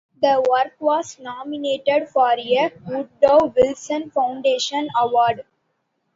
The work was nominated for a Woodrow Wilson Foundation award.